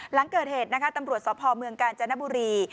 หลังเกิดเหตุนะคะตำรวจสพเมืองกาญจนบุรี